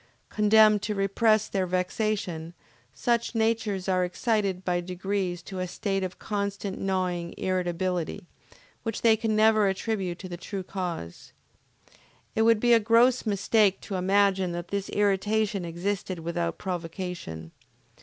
Condemned to repress their vexation, such natures are excited by degrees to a state of constantly gnawing irritability, which they can never attribute to the true cause. It would be a gross mistake to imagine that this irritation existed without provocation.